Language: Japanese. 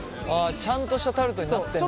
ちゃんとしたタルトになってんだ。